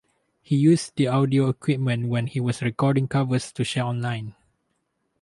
He used the audio equipment when he was recording covers to share online.